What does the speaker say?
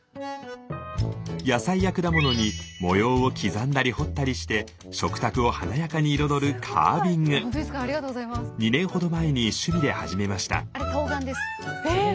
野菜や果物に模様を刻んだり彫ったりして食卓を華やかに彩る２年ほど前に趣味で始めました。